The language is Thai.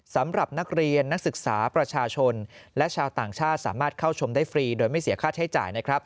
สำหรับนักเรียนนักศึกษาประชาชนและชาวต่างชาติสามารถเข้าชมได้ฟรีโดยไม่เสียค่าใช้จ่ายนะครับ